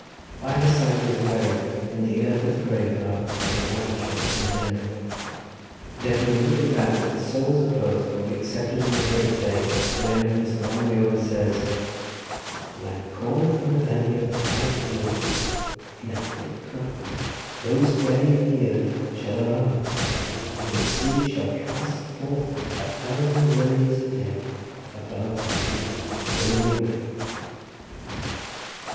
By her side he was buried in the earth of the graveyard of the White Church, near Denbigh. There can be little doubt that the souls of both will be accepted on the great day when, as Gronwy Owen says:— "Like corn from the belly of the ploughed field, in a thick crop, those buried in the earth shall arise, and the sea shall cast forth a thousand myriads of dead above the deep billowy way."